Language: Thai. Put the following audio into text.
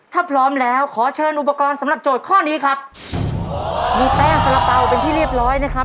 ถ้าพร้อมแล้วขอเชิญอุปกรณ์สำหรับโจทย์ข้อนี้ครับมีแป้งสละเป๋าเป็นที่เรียบร้อยนะครับ